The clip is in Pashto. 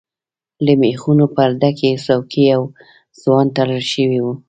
له ميخونو پر ډکې څوکی يو ځوان تړل شوی و.